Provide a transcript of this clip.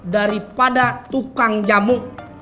daripada tukang jamu